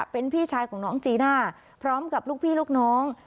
เป็นพี่ชายของน้องจีน่าพร้อมกับลูกพี่ลูกน้อง